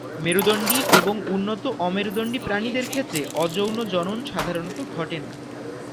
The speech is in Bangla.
মেরুদণ্ডী এবং উন্নত অমেরুদণ্ডী প্রাণীদের ক্ষেত্রে অযৌন জনন সাধারণত ঘটে না।